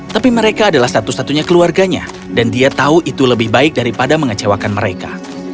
tapi mereka adalah satu satunya keluarganya dan dia tahu itu lebih baik daripada mengecewakan mereka